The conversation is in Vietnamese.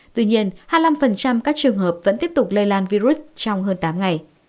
tuy nhiên hai mươi năm các trường hợp vẫn tiếp tục lây lan virus trong hơn tám ngày